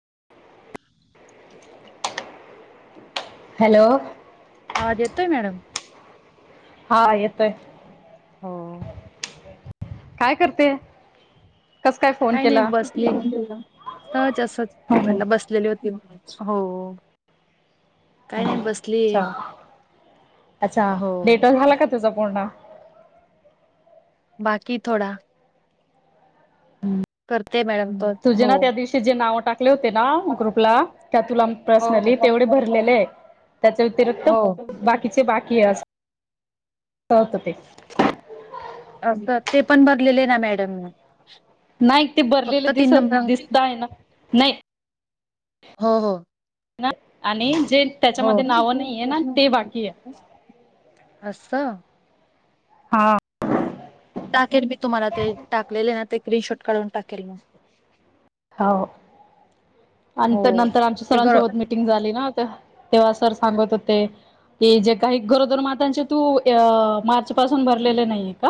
[inaudible] Hello. आवाज येतोय madam? हा येतोय. हो. काय करते? कस काय फोन काही नाही केला बसले, सहजच असच फोन केला अच्छा बसलेली होती म्हणून. हो. काही अ नाही बसली च्छा, अच्छा हो डेटा झाला का तुझा पूर्ण? बाकीय थोडा. कर. तुझे ना त्या दिवशी जे नाव ठाकले होते ना ग्रुपला त्या तुला हो पर्सनली हो तेवढे भरलेले आहे, त्याच्या व्यतिरिक्त हो बाकीचे बाकीय आजून. अस होत ते. अस ते पण भरलेले ना मॅडम नी. नाही ते भरलेले दिसत दिसताय ना नाही हो हो. न आणि. जे हो, त्याच्यामध्ये नावं नाहीये ना ते बाकी आहे अस. हा. टाकेल मी पाकरींग हाव आणिं हो तर नंतर आमच्या ते ग सरांसोबत मिीटिंग झाली ना. तेव्हा सर सांगत होते कि जे काही गरोदर मातांचे तू अ मार्च पासून भरलेले नाहीये का?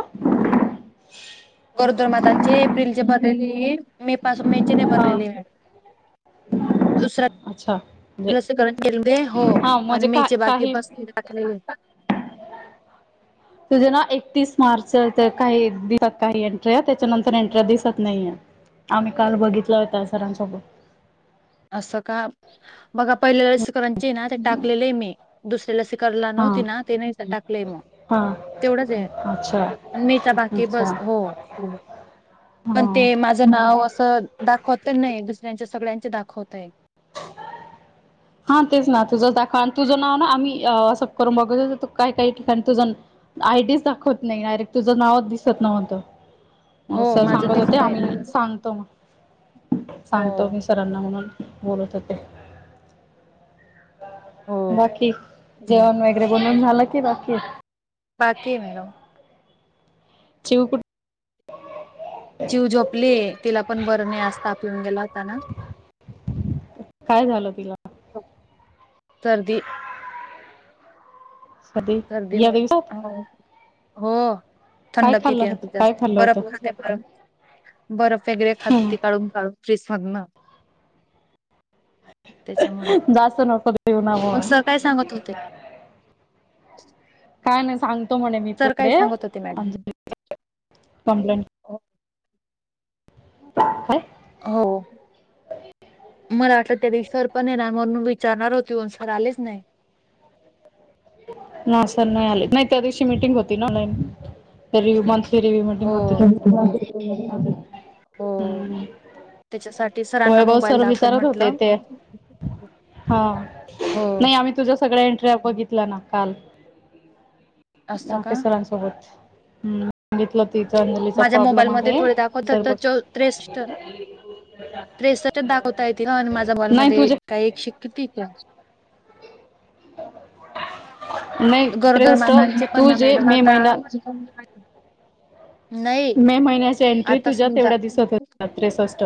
गरोदर मातांचे एप्रिल चे भरलेलेय मे पासून मेचे नाही हा. भरलेले म्या दुसरा अच्छा म्हणजे लसीकरण केलेते हो हा आणि म्हणजे मे का चे बाकी काही बसने टाकलेले तुझे ना एकतीस मार्च काही दिवस काही एन्ट्री त्याच्यानंतर एन्ट्री दिसत नाहीय आम्ही काल बघितला होता सरांसोबत असं का बघा पहिल्या वेळेस सरांचे ना ते टाकलेलेय मी दुस लसीकर हा नव्हती ना ते नाही टाकलंय मग हा तेवढच अच्छा आणि मे च बाकी अच्छा बस हो पण हा. ते माझ नाव अस दाखवत तर नाहीय त्यांच्या सगळ्याच्या दाख होतेय हा तेच ना तुझं दाखव आणि तुझं नाव ना आम्ही अस करून बघो काही काही ठिकाणी तुझ आयडीच दाखवत नाही डायरेक्ट तुझं नावच दिसत नव्हतं मग हो माझं सांगत होते दिसतय आम्ही सांगतो मग हो सांगतो मी सरांना म्हणून बोलत होते हो बाकी जेवण वगैरे बोल झालं की बाकीय बाकीय मॅडम चिवु कुठ चिवू झोपलीय तिला पण बर नाहीय आज ताप येवून गेला होता ना काय झालं तिला?? सर्दी कधी या सर्दीमुळे दिवसात हो काय थंड खाल्लं पितीया होत काय जास्त खाल्लं होतं. बरफ खाते बरफ, बरफ वगैरे खाते हम्म काढून काढून फ्रीज मदंन अअ जास्त नको देवना मग बोअना ?? काय नाही सांग तो म्हणे मी पुढे होते मॅडम अजलीची कंप्लेंट हो होय- हो मला वाटलं त्यादिवशी सरपण येणार म्हणुन विचारणार होती पण सर आलेच नाही नाय सर नाही आले नाही त्या दिवशी मिीटिंग होती ना ऑनलाईन तरी म्हन हो हो हम्म त्याच्यासाठी सरांना वैभव मोबाईल सर दाखवेल विचारत होते म्हटलं ते हा हो नाही आम्ही तुझ्या सगळ्या एन न्ट्र बघितल्या ना काल असतं ना का की सरांसोबत हं, सांगितलं होत. तिच्या मुलीचा माझ्या प्रॉब्लेम मोबाईलमध्ये आहे. थोडे दाखवतात सर तर बो चौ त्रेसष्ठच दाखवता ये त माझा बॉलमधे तुझे काही एकशे किती तिथ? [inaudible] [inaudible] नाही गरोदर त्रेस मातांचे पण तू ना जे मॅडम मे आता महिना, नाही मे महिन्याच्या एन्ट्री आता तुझ्या समजा तेवढ्या दिसत होत्या त्रेसष्ट.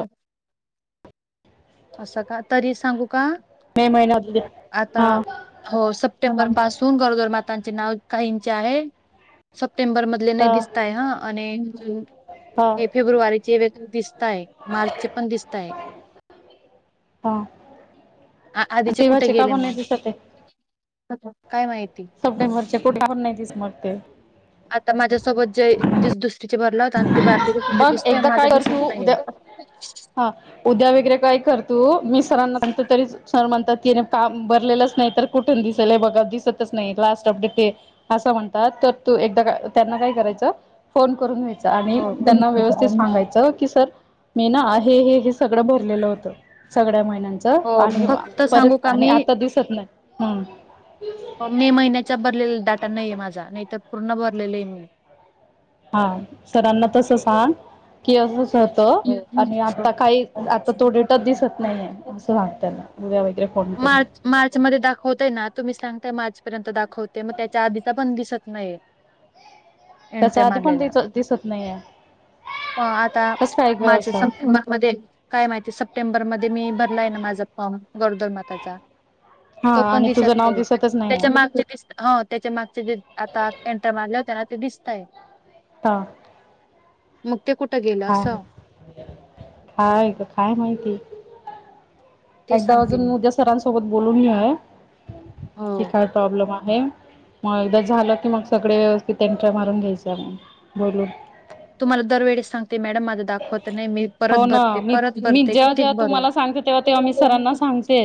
असं का? तरी सांगू का? मे महिन्यातली आता, हा हो सप्टेंबर पासून गरोदर मा त्यांचे नाव काहींचे आहे, सब सप्टेंबर मधले नाही तर दिसताय हं आणि जून हा हे फेब्रुवारीचे वेगळे दिसता ताये मार्च चे पण दिसताय. हा, आ- अन आधीचे तेव्हाचे काबार नाय दिसतये? अच्छा. काय माहिती? सप्टेंबरच्या कुठे पण नाही दिसत मग ते. आता माझ्यासोबत जे दिस दुस तीच भरला होता. अन ती भारती गं तिच बघ दिसतोय एकदा माझं काय कर दिसत तू नाही उद्या गं. हा उद्या वगैरे काय कर तू मी सरांना सांगते तरी सर म्हणतात तिने काम भरलेलंच नाही तर कुठून दिसलय? बघा दिसतच नाही. लास्ट अपडेट ते, असं म्हणतात. तर तू एकदा त्यांना काय करायचं? फोन करून घ्यायच आणि हो त्यांना व्यवस्थित सांगायचं की, सर मी ना आहे हे हे हे सगळं भरलेलं होतं सगळ्या माहिती हो फक्त सांगू का मी आता दिसत नाही हम्म मे महिन्या भरलेला डाटा नाही माझा नाही तर पूर्ण भर लेले मी. हा सरांना तस सांग की, असं असं होत होतं आणि आता काही आता तो डेटा दिसत नाहीये असं सांग त्यांना उद्य वगैरे फोन करून मार्च मार्च मध्ये दाखवताय ना तुम्ही सांगता मार्च पर्यंत दाखवते मग त्याच्या आधीचा पण दिसत नाही. एन त्याच्या टाइम आधी पण आलेला, दिस दिसत नाहीये म आता कसं काय ग माझ्या असं सप्टेंबर मध्ये, काय माहिती? सप्टेंबरमध्ये मी भरलाय ना माझा फॉर्म गरोदर माता त्याचा. हा तो पण आणि तुझं दिसत नाव नाही. दिसतच नाहीये त्याच्या माग हो, त्याच्या मागचे जे आता एंटर मारले होत ना ते दिसतय. ह, कुठं गेलं खाय असं खाय खाय माहिती ते एकदा सांगते वाजून मी उद्या सरां सोबत बोलून घे [unintelligible] हो की काय प्रॉब्लेम आहे हे मग एकदा झालं की मग सगळे व्यवस्थित एंटर मारून घ्यायच म बोलून तुम्हाला दर वेेळी सांग हो ना मी परत मी भरते जेव्हा जेव्हा कितीक भरू तुम्हाला सांगते तेव्हा तेव्हा मी सरांना सांगते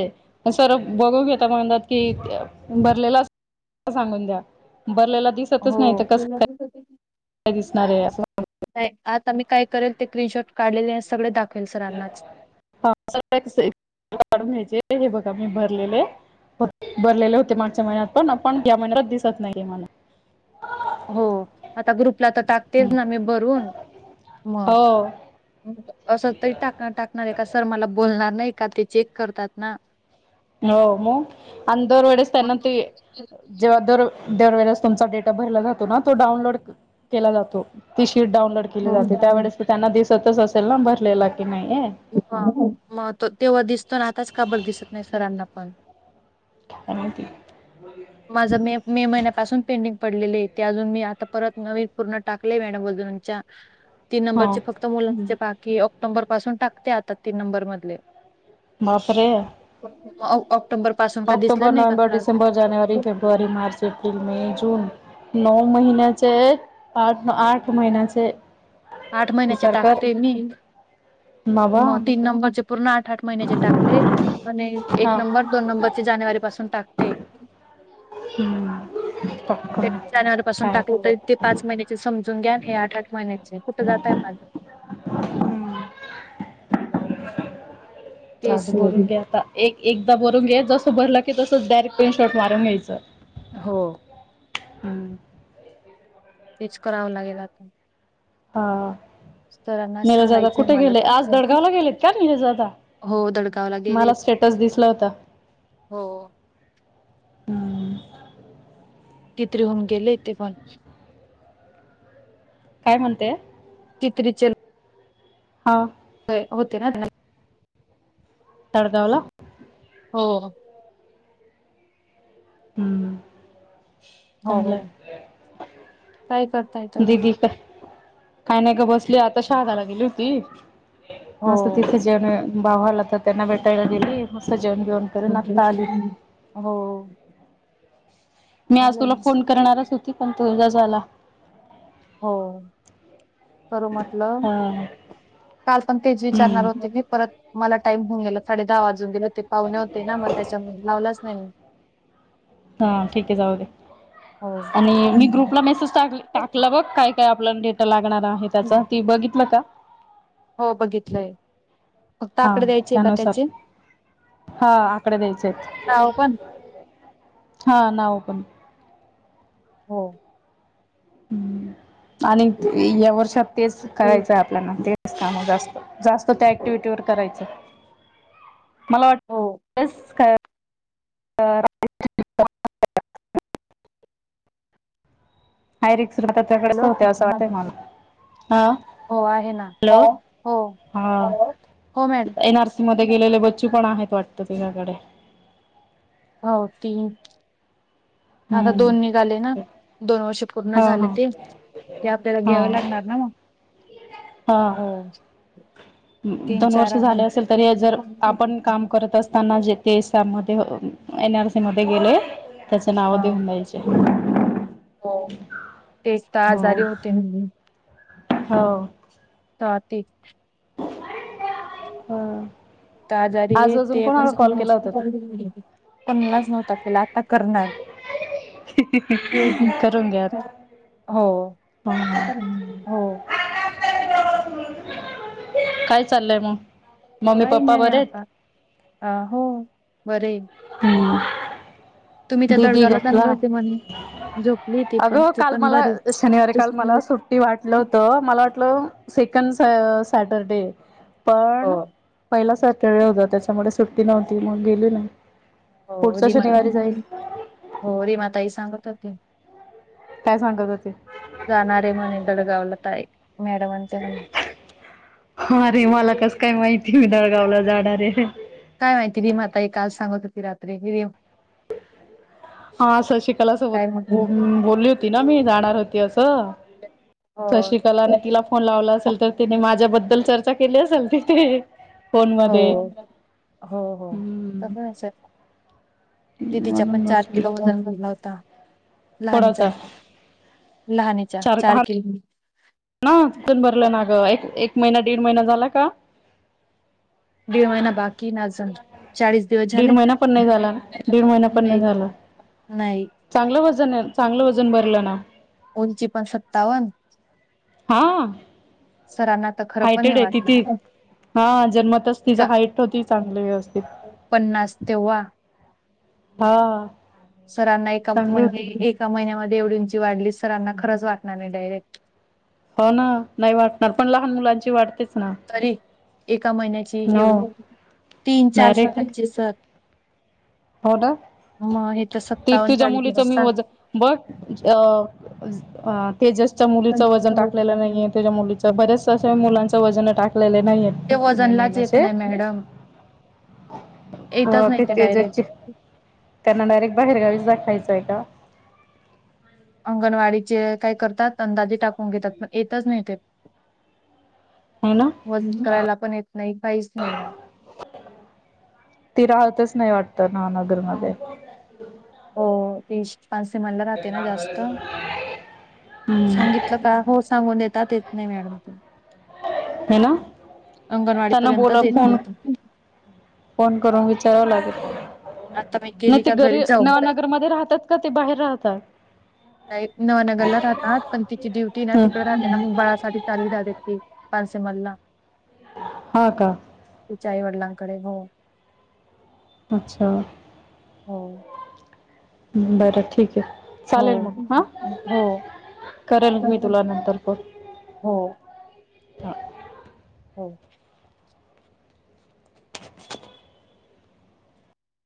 सर बघून घेता म्हणात की भरलेला अस सांगून द्या भरलेला दिसतच हो नाही तर कसे काय [inaudible] काय आत मी दाखवेल सरांनाच काढून घ्यायचे हे बघा मी भरलेले भरलेले होते मागच्या महिन्यात पण आपण या महिन्यातच दिसत नाहीे मला हो आता ग्रुप आपला तर टाकतेच ना मी भरून हो मग असं तरी टाक टाकणार आहे का सर मला बोल णार नाही का ते चेक करतात ना हो मग अंधोर वेळेस त्यांना त जेव्हादोर दरवेेळेस तुमचा डेटा भरला जातो ना तो डाउनलोड केला जातो ति कि डानलोड केली हो जाते मग त्यावेळेस ते त्यांना सत स असला भरलेला नाही ह मग त तेव्हा दिसतो ना आताच काबर दिसत नाही सरांना हय आणि मा त माझं मे मे महिन्यापासून पेंडिंग पडलेले ते अजून मी आता परत नवीन पूर्ण टाकले मॅडम अजूनच्या तीन हा नंबरचे फक्त मुलां पाक की ऑक्टोंबर पासून टाकते आता तीन नंबर मधले बापरे [unintelligible] ऑक््टोंबर पासून का ऑक्टोबर दिसलं नाही नोव्हेंबर कार डिसेंबर जानेवारी फेब्रवारी मार्च एप्रिल मे जन नो महिनाचे पाच न आठ महिनाचे आठ महिन्याचे टाकते मी बाबा म तीन नंबरचे पूर्ण आठ आठ महिन्याचे टाकले आणि एक हा नंबर दोन नंबर जानेवारी पासून टाकते. हम्म ते पटकन जानेवारी पासून काय टाकलं त ते पाच महिन्याचे समजून घ्या ना हे आठ आठ महिन्याचे कुठ जाताय माझ हा ते बघुन घ्या आता एक एक ता भरून घे जसं भरलं की तसच डारेक्ट स्क्रीन शॉर्ट मारून घ्यायचं. हो. हम्म. तेच करावं लागेल आता हा सरांना नरश दादा सांगायचंय कुठ मला गेले आज दडगावला गेलेत का नरजदादा हो दडगावला गेले मला स्टेटस दिसला होता. हो हम्म किती राहून गेले ते कॉल काय म्हणते कित्रीचल हा हो होतेे राउद्या नाय तडगावला हो हुम्म हो [unintelligible] काय करताय तुम्ही दिदी काय काय नाय ग बसले आता पागाला गेली होती. असं हो. तिथे जण भावाला ता त्यांना भेटायला गेली म स [unintelligible] हो मी आज तुला चालेल फोन करणारच होती पण तुझाच आला हो करू म्हटलं हा. काल पण तेज इचारणार हम्म होते मी परत मला टाईम होऊन गेला साडे दहा वाजून गेले होतं ते पाहुण होते ना मग त्याच्यामुळ लावलाच नाय मी हा ठीक आहे जाऊ दे हो. आणि मी ग्रुपला मेसेज टाक टाकलं बघ काय काय आपल्याला डेटा लाग णार आहे त्याचा ती बघितलं का? हो बघितलंय फक्त हा आकडे द्यायचे का त्यानुसार त्याचे हा आकडे द्यायचे आहेत. नाव पण हा नाव पण हो आणि या वर्षात तेच करायचं आपल्याला ते जास्त जास्त त्या ऍक्टिव्हिटी वर करायचं मला वाट [unintelligible] हो हाय रिक्स. [unintelligible] हॅलो असं वाटतय मला. हा हो आहे ना हो हॅलो हो हा एन मॅडम. आर सी मध्ये गेलेले बच्चू पण आहेत वाटत तुझ्याकडे हो तीन. आता हम्म दोन निघाले ना दोन वर्षे पूर्ण हा झाले हा ते ते आपल्याला हा घ्याव लागणार ना म. हा हो. तीन दोन चार वर्ष आहे झाले ना असेल तरी जर आपण काम करत असताना जे ते समध्ये एन आर सम मध्ये गेलं. त्याचे नाव हा देऊन जायचे हो तेच तर हो. आजारी होते तेव्हा, हो. का ते. ह त आजारी आज ते अजून कोणाला कॉल केला होता [unintelligible] तू कोणलाच नव्हता केला आ ता करणार. ही ही हो ही करून घ्या आ हो. काय चाललंय म? काही नाही आता अं हो बरे. हम्म. तुम्ही त्या दिदी दडगावला गपला चांगले होते म्हणे झोपली ती पण अगं ती काल पण मला बरी शनिवारी काल मला सुट्टी वाटलं होत मला वाटलं सेकंड स सॅटरडे. हो पण पहिला सॅटरडे होता त्याच्यामुळे सुट्टी नव्हती मग गेले नाई. हो पुढच्या रिमा शनिवारी जाईल. हो रीमा ताई सांगत हो ते. काय सांगत होते जाणारे म्हणे दडगावला ताई मॅडमांचे म्हण अरे मला कस काय माहिती मी दळगाव ला जाणारे. काय माहिती रीमा ताई काल सांगत होती रात्री री हा श शिकला सोबत काय बो म्हणून बोली होती ना मी जाणार ह ती आसं. हो शिकाला आणि तिला फोन लावला असेल तर तिने माझ्याब- द्दल चर्चा केली असेल तिथे. फोन हो मध्ये हो हो तस हम्म असेल. दिदीच्या पण म्हणून चार नसली किलो वजण भरला होता. लहानीचा, कोणाचा लहानीच्या चार किलो ना तिथून भरलं ना ग बाई. एक महिना दीड महिना झाला का? दीड महिना बाकी नाजून. दीड महिन्या पण नाही झाला. दीड महिन्या पण नाही झाला. नाही चांगल वज- न चांगलं वजन भरलं ना. उंची पण सत्तावन हा तर खरं पण हायटेड नाही आहे की ती. वाटणार हा, जन्मतच तिच हाईट होती चांगली व्यवस्थित. पन्नास तेव्हा हा.... सरांना एका.. चांगली म्हणजे एका महिन्यामध्ये.. एवढी उंची वाढली, सरांना खरच वाटणार नाही डायरेक्ट. हो ना, नाही वाटणार, पण लहान मुलांची वाढतेच तरी.. एका महिन्याची हो एवढी, तीन चार डायरेक्ट स्वतःची सर हो ना.. मग हे तर ती सत्तावन्न तुझ्या चाळीस मुलीच मी बसतात वजन.. बग अं.. [inaudible] तेजसच्या मुलीचं वजन टाकलेलं नाहीय तूझ्या मुलीच, बऱ्याच असा मुलांच वजन टाकलेले नाहीयेत.. ते मे वजनलाच येत महिन्याचे नाही मॅडम हो येतच नाही ते तेजसचे, डायरेक्ट त्यांना डायरेक्ट बाहेरगावीच दाखयच जायटा.. अंगणवाडीचे काय करतात, अंदाजे टाकून घेतात पण येतच नाही ते.. ह ना वजन करायला पण येत नाही, काहीच नाही ना, उतर ना, नगरमध्ये हो... तिश.... पाच से मनला राहते ना जास्त, हम्म सांगितलं का? हो सांगूदेत त्यात येत नाही मॅडम तो.. होय ना त्यांना बोला पर्यंतच येत फोन.. नाही तू. फोन करून विचा.. करावा लागेल आता मी नाही, गेली ते का घरी जाऊ नवानगरमध्ये राहतात? का ते बाहेर राहतात? नाही नवनगरला राहतात, पण तिची ड्युटी ना ह तिकडे राहते ना, मग बाळासाठी चालली दडत ती पांसे मल्ला हा का तिच्या आई वडिलांकडे, हो.. अच्छा.. हो.... बरं, ठीक आहे. हो चालेल मग, हा.. हो करेल मी तुला नंतर फोन. हो ह.. हो..